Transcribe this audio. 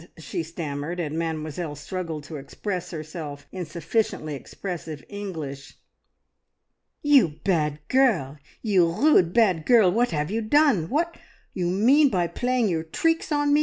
she stammered, and Mademoiselle struggled to express herself in sufficiently expressive English. "You bad girl! You rude, bad girl! What 'ave you done? What you mean playing your treecks on me?